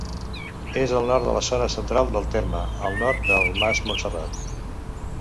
És al nord de la zona central del terme, al nord del Mas Montserrat.